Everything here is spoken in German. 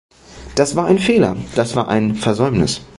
Das war ein Fehler, das war ein Versäumnis.